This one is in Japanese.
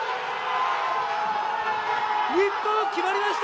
日本、決まりました！